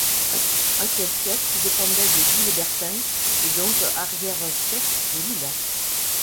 Ancien fief qui dépendait de Villebertin et donc arrière fief de L'Isle.